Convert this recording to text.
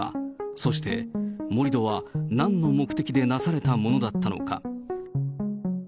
そして盛り土は何の目的でなされたものだったのか。